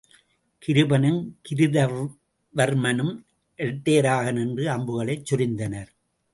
கிருபனும் கிருதவர்மனும் இரட்டையராக நின்று அம்புகளைச் சொரிந்தனர்.